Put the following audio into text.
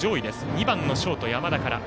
２番のショート、山田から。